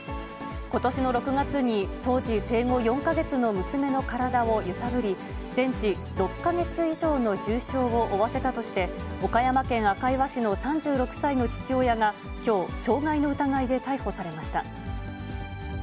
ことしの６月に当時、生後４か月の娘の体を揺さぶり、全治６か月以上の重症を負わせたとして、岡山県赤磐市の３６歳の父親が、きょう、傷害の疑いで逮捕されました。